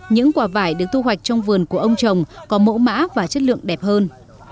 những quả vải được thu hoạch trong vườn của ông trồng có mẫu mã và chất lượng đẹp hơn